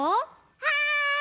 はい。